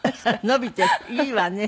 伸びていいわね。